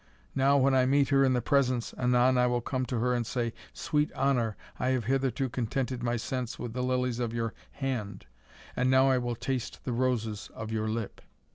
_ Now, when I meet her in the presence, anon, I will come to her and say, 'Sweet Honour, I have hitherto contented my sense with the lilies of your hand, and now I will taste the roses of your lip.'